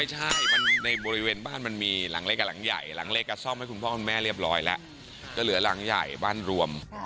ไม่ใช่มันในบริเวณบ้านมันมีหลังเลขหลังใหญ่หลังเลขอ่ะซ่อมให้คุณพ่อคุณแม่เรียบร้อยแล้ว